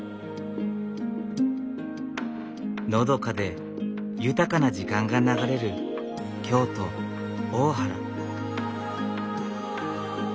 のどかで豊かな時間が流れる京都・大原。